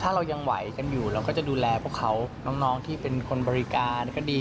ถ้าเรายังไหวกันอยู่เราก็จะดูแลพวกเขาน้องที่เป็นคนบริการก็ดี